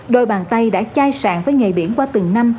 đôi bàn tay đã chai sạng với ngày biển qua từng năm